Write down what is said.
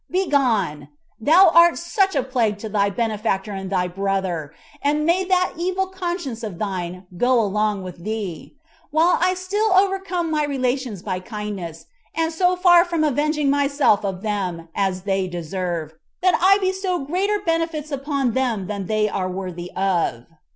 Begone, thou art such a plague to thy benefactor and thy brother, and may that evil conscience of thine go along with thee; while I still overcome my relations by kindness, and am so far from avenging myself of them, as they deserve, that I bestow greater benefits upon them than they are worthy of."